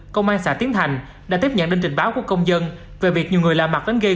công an xã tiến thành đã tiếp nhận đơn trình báo của công dân về việc nhiều người lạ mặt đến gây